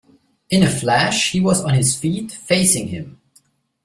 In a flash he was on his feet, facing him.